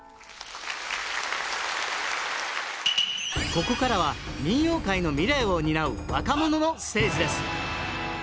ここからは民謡界の未来を担う若者のステージです